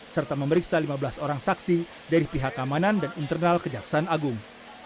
serta memeriksa lima belas orang saksi dari pihak keamanan dan internal kejaksaan agung